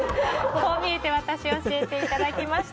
こう見えてワタシ教えていただきました。